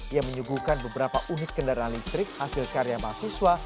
yang menyuguhkan beberapa unit kendaraan listrik hasil karya mahasiswa